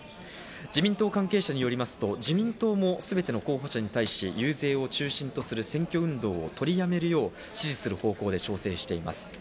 自民党関係者によりますと、自民党もすべての候補者に対し、遊説を中止とする、選挙運動を取りやめるよう指示する方向で調整しています。